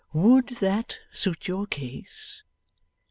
'Would that suit your case?